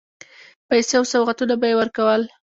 پیسې او سوغاتونه به یې ورکول.